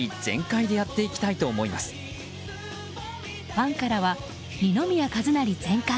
ファンからは二宮和也全開